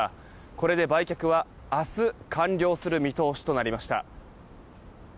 これで、売却は明日完了する見通しとなりました。